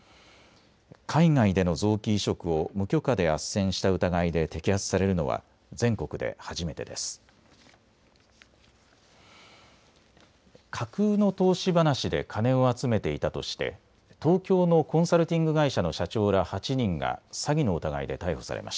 海外での臓器移植を無許可であっせんした疑いで摘発されるのは全国で初めてです。